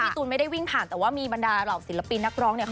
ตูนไม่ได้วิ่งผ่านแต่ว่ามีบรรดาเหล่าศิลปินนักร้องเนี่ย